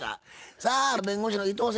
さあ弁護士の伊藤先生